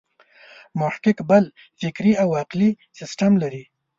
محقق بېل فکري او عقلي سیسټم لري.